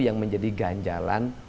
yang menjadi ganjalan